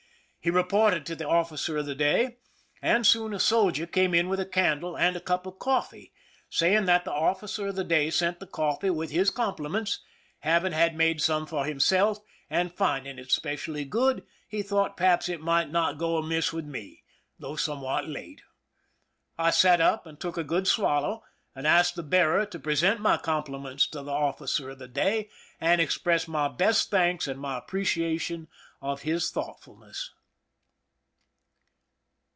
He reported to the officer of the day, and soon a soldier came in with a candle and a cup of coffee, saying that the officer of the day sent the coffee, with his compliments ; having had some made for himself, and finding it specially good, he thought perhaps it might not go amiss with me, though somewhat late. I sat up and took a good swallow, and asked the bearer to present my compliments to the officer of the day and express my best thanks and my appreciation of his thoughtfulness.